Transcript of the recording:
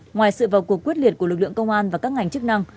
ngoài sự vào cuộc quyết liệt của lực lượng công an và các ngành chức năng